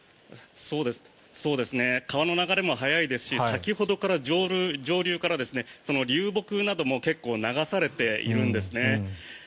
川の流れも速いですし先ほど、上流から流木なども結構、流されているんですね。